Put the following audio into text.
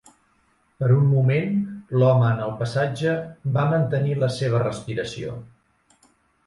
Per un moment l'home en el passatge va mantenir la seva respiració.